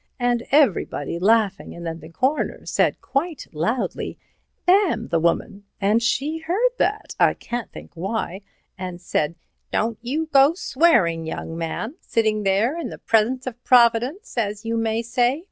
and everybody laughing, and then the Coroner said quite loudly, 'Damn the woman,' and she heard that, I can't think why, and said: 'Don't you get swearing, young man, sitting there in the presence of Providence, as you may say.